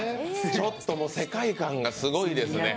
ちょっと世界観がすごいですね。